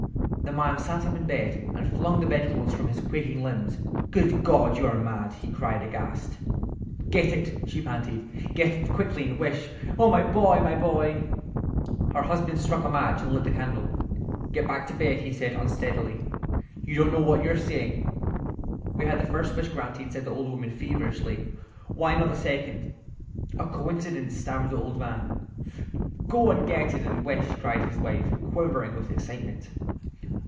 The man sat up in bed and flung the bedclothes from his quaking limbs. "Good God, you are mad!" he cried, aghast. "Get it," she panted; "get it quickly, and wish—Oh, my boy, my boy!" Her husband struck a match and lit the candle. "Get back to bed," he said, unsteadily. "You don't know what you are saying." "We had the first wish granted," said the old woman, feverishly; "why not the second?" "A coincidence," stammered the old man. "Go and get it and wish," cried his wife, quivering with excitement.